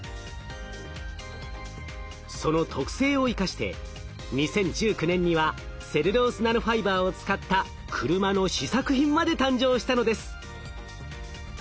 その特性を生かして２０１９年にはセルロースナノファイバーを使った車の試作品まで誕生したのです。